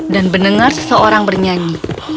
dan mendengar seseorang bernyanyi